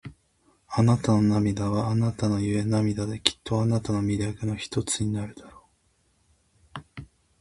あなたの涙は、あなたゆえの涙で、きっとあなたの魅力の一つになるだろう。